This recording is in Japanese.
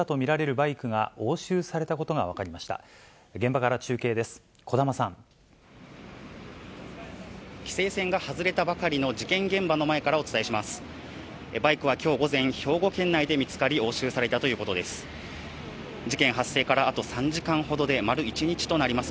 バイクはきょう午前、兵庫県内で見つかり、押収されたということです。